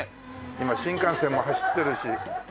今新幹線も走ってるし。